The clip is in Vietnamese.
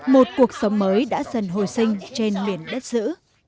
một cuộc sống mới đã dần hồi sinh trên miền đất giữ